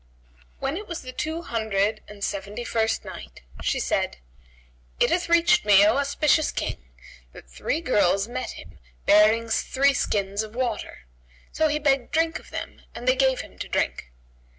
When it was the Two Hundred and Seventy first Night,[FN#134] She said, It hath reached me, O auspicious King, that three girls met him bearing three skins of water; so he begged drink of them, and they gave him to drink.